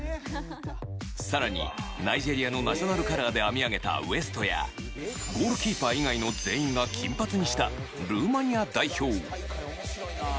さらにナイジェリアのナショナルカラーで編み上げたウェストやゴールキーパー以外の全員が金髪にしたルーマニア代表。